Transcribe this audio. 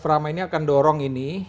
diagrama ini akan mendorong ini